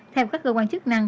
theo các cơ quan chức năng